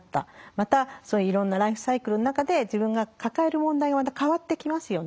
またそういういろんなライフサイクルの中で自分が抱える問題が変わってきますよね。